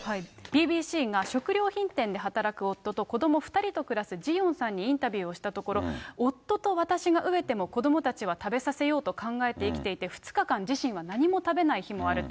ＢＢＣが食料品店で働く夫と子ども２人と暮らすジヨンさんにインタビューしたところ、夫と私が飢えても子どもたちは食べさせようと考えて生きていて、２日間、自身は何も食べない日もあると。